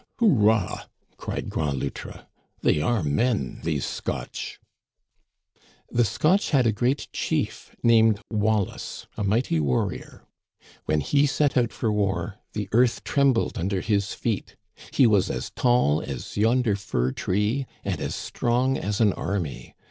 Houa Î " cried Grand Loutre, " they are men these Scotch/' "The Scotch had a great chief named Wallace, a mighty warrior. When he set out for war the earth trembled under his feet. He was as tall as yonder fir tree and as strong as an army.